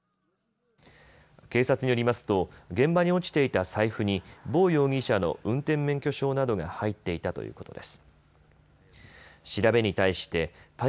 警察によりますと現場に落ちていた財布にボー容疑者の運転免許証などが入っていたということです。